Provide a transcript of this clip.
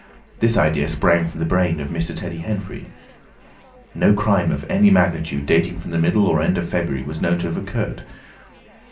This idea sprang from the brain of Mr. Teddy Henfrey. No crime of any magnitude dating from the middle or end of February was known to have occurred.